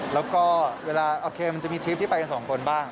แล้วก็เวลามีทริปที่ไปกับสองคนบ้าง